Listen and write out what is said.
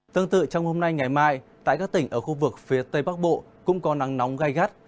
tương tự trong hôm nay ngày mai tại các tỉnh ở khu vực phía tây bắc bộ cũng có nắng nóng gai gắt